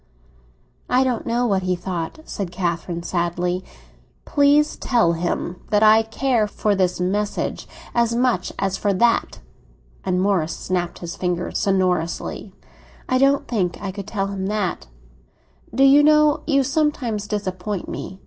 "I don't know what he thought," said Catherine wearily. "Please tell him that I care for his message as much as for that!" And Morris snapped his fingers sonorously. "I don't think I could tell him that." "Do you know you sometimes disappoint me?"